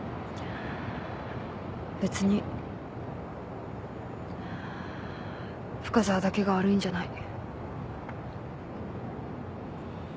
別に深澤だけが悪いんじゃない。